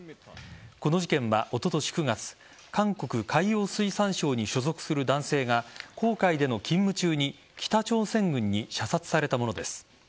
この事件は、おととし９月韓国海洋水産省に所属する男性が黄海での勤務中に北朝鮮軍に射殺されたものです。